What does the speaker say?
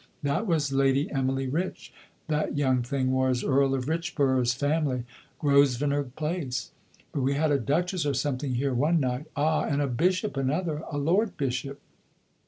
That was Lady Emily Rich, that young thing was, Earl of Richborough's family Grosvenor Place. But we had a Duchess or something here one night ah, and a Bishop another, a Lord Bishop.